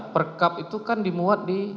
per kap itu kan dimuat di